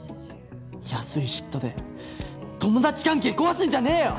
安い嫉妬で友達関係壊すんじゃねえよ！